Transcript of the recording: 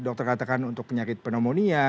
dokter katakan untuk penyakit pneumonia